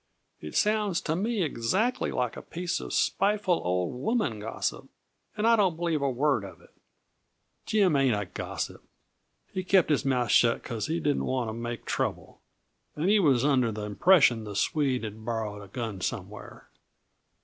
"It sounds to me exactly like a piece of spiteful old woman gossip, and I don't believe a word of it!" "Jim ain't a gossip. He kept his mouth shut because he didn't want to make trouble, and he was under the impression the Swede had borrowed a gun somewhere.